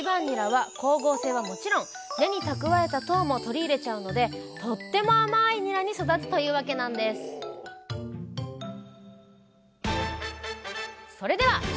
ニラは光合成はもちろん根に蓄えた糖も取り入れちゃうのでとっても甘いニラに育つというわけなんですそれでは！